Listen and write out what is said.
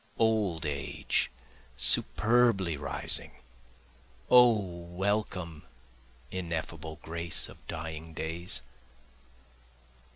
Old age superbly rising! O welcome, ineffable grace of dying days!